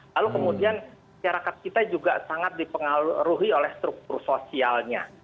lalu kemudian syarikat kita juga sangat dipengaruhi oleh struktur sosialnya